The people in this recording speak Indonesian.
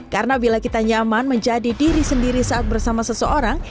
karena bila kita nyaman menjadi diri sendiri saat bersama seseorang